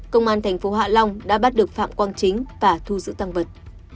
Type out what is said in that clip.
công an tp hạ long đã bắt được phạm quang chính và thu giữ tăng vật